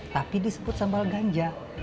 tapi disebut sambal ganja